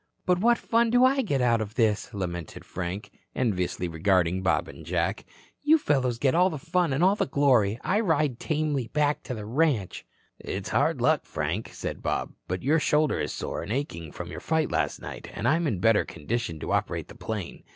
"But what fun do I get out of this?" lamented Frank, enviously regarding Bob and Jack. "You fellows get all the fun and all the glory. I ride tamely back to the ranch." "It is hard luck, Frank," said Bob. "But your shoulder is sore and aching from your fight last night, and I'm in better condition to operate the plane.